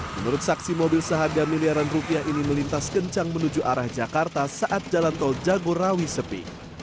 menurut saksi mobil seharga miliaran rupiah ini melintas kencang menuju arah jakarta saat jalan tol jagorawi sepi